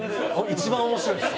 一番面白いです！